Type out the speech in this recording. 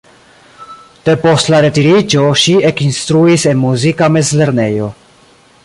Depost la retiriĝo ŝi ekinstruis en muzika mezlernejo.